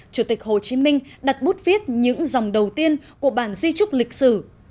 chủ tịch hồ chí minh đặt bút viết những dòng đầu tiên của bản di trúc lịch sử